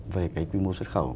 về cái quy mô xuất khẩu